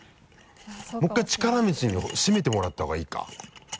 もう１回力持ちに閉めてもらったほうがいいか。